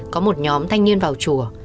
có một nhóm thanh niên vào chùa